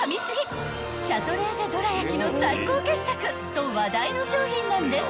［と話題の商品なんです］